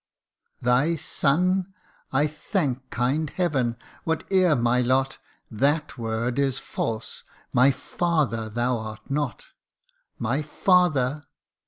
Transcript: ' Thy son ! I thank kind heaven, whate'er my lot, That word is false ; my father thou art not ! My father